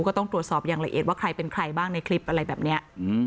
ก็ต้องตรวจสอบอย่างละเอียดว่าใครเป็นใครบ้างในคลิปอะไรแบบนี้